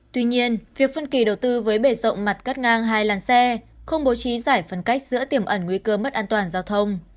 tuy nhiên việc phân kỳ đầu tư với bể rộng mặt cắt ngang hai làn xe không bố trí giải phân cách giữa tiềm ẩn nguy cơ mất an toàn giao thông